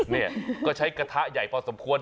นี่ก็ใช้กระทะใหญ่พอสมควร